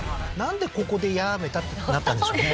んでここでやーめたってなったんでしょうね